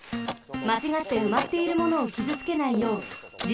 まちがってうまっているものをきずつけないようじ